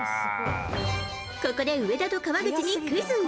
ここで上田と川口にクイズ。